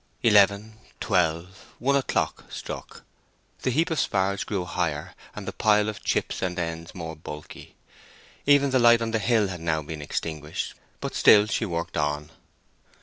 Eleven, twelve, one o'clock struck; the heap of spars grew higher, and the pile of chips and ends more bulky. Even the light on the hill had now been extinguished; but still she worked on.